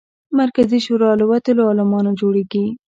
مرکزي شورا له وتلیو عالمانو جوړېږي.